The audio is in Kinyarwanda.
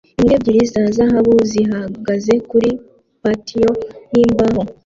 Imbwa ebyiri za zahabu zihagaze kuri patio yimbaho